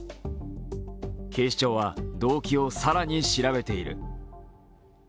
警視庁は動機を更に調べている。